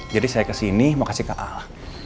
jadi saya kesini mau kasih ke al